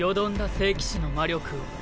聖騎士の魔力を。